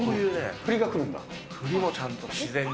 振りもちゃんと、自然に。